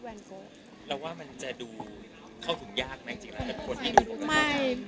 เราว่ามันจะดูเข้าถึงยากไหม